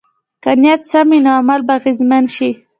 که نیت سم وي، نو عمل به اغېزمن شي.